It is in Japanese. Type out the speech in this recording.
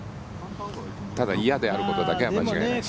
ただ、嫌であることだけは間違いない。